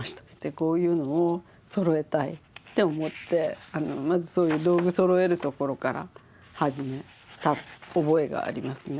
こういうのをそろえたいって思ってまずそういう道具そろえるところから始めた覚えがありますね。